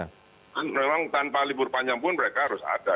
kan memang tanpa libur panjang pun mereka harus ada